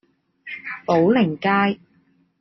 寶靈街